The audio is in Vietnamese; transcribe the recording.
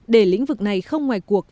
để lĩnh vực này không ngoài cuộc và